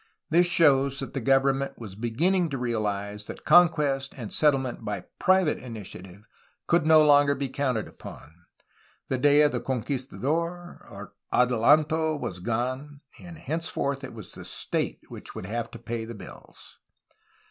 This shows that the government was beginning to reahze that conquest and settlement by private initiative could no longer be counted upon. The day of the conquistador, or adelantado^ was gone, and henceforth it was the state which would have to pay the bills.